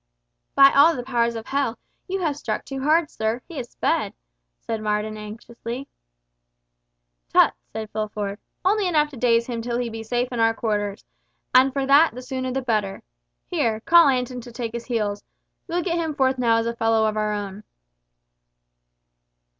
"By all the powers of hell, you have struck too hard, sir. He is sped," said Marden anxiously. "Ass! tut!" said Fulford. "Only enough to daze him till he be safe in our quarters—and for that the sooner the better. Here, call Anton to take his heels. We'll get him forth now as a fellow of our own."